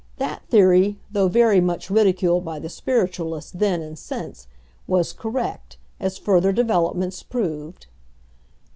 That theory, though very much ridiculed by the spiritualists then and since, was correct, as further developments proved.